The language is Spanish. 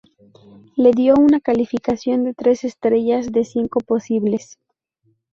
Le dio una calificación de tres estrellas de cinco posibles.